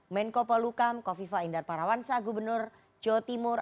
menko polukam kofifa indar parawansa gubernur jawa timur